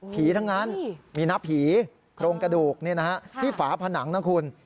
ทั้งนั้นมีนะผีโครงกระดูกที่ฝาผนังนะคุณ